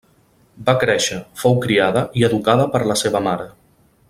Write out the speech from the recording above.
Va créixer, fou criada i educada per la seva mare.